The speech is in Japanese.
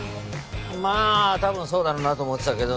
まあ多分そうだろうなと思ってたけど。